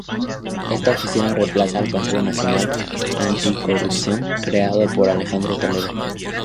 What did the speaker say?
Esta oficina reemplaza al Consejo Nacional Anticorrupción, creado por Alejandro Toledo.